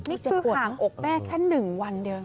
นี่คือหางอกแม่แค่๑วันเดียว